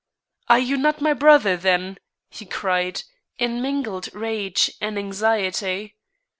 "Are you not my brother, then?" he cried, in mingled rage and anxiety.